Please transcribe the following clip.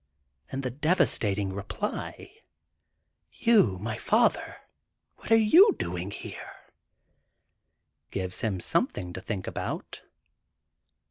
And the devastating reply: "You, my father, what are you doing here?" gives him something to think about.